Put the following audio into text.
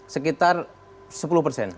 sekitar sepuluh persen